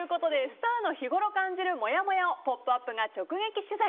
スターの日ごろ感じるもやもやを「ポップＵＰ！」が直撃取材。